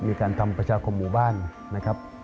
มีการทำประชาคมหมู่บ้านนะครับ